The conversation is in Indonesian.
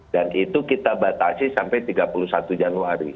dan itu kita batasi sampai tiga puluh satu januari